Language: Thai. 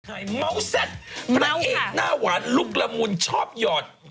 เมาส์แซ่บพระเอกหน้าหวานลุกละมุนชอบหยอด